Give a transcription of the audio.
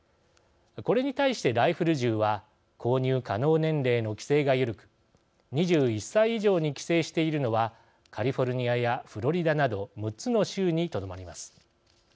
これに対してライフル銃は購入可能年齢の規制が緩く２１歳以上に規制しているのはカリフォルニアやフロリダなど６つの州にとどまります。